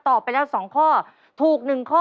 ตอบไปแล้วสองข้อถูกหนึ่งข้อ